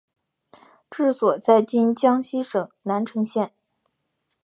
治所在今江西省南城县。